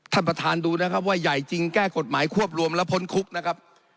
ท่านประธานดูนะครับว่าใหญ่จริงแก้กฎหมายควบรวมแล้วพ้นคุกนะครับ